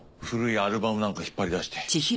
古いアルバムなんか引っ張りだして。